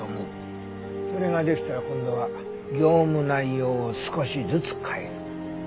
それが出来たら今度は業務内容を少しずつ変える。